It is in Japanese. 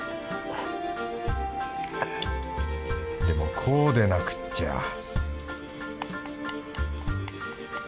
でもこうでなくっちゃ